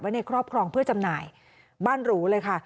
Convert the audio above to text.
ในครอบครองเพื่อจำหน่ายบ้านหรูเลยค่ะ